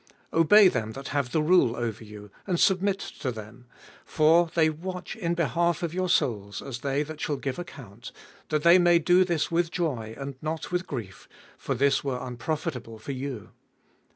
17. Obey them that have the rule over you, and submit to them: for they watch in behalf of your souls, as they that shall give account ; that they may do this with joy, and not with grief: for this were unprofitable for you.